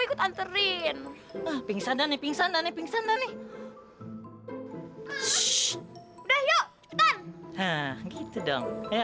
ikut anterin pingsan dan pingsan dan pingsan dan nih udah yuk tanah gitu dong ya